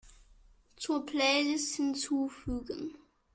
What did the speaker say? Zur Playlist hinzufügen.